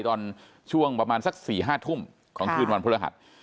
ตอนช่วงประมาณสัก๔๕ทุ่มของคืนวันพฤหัส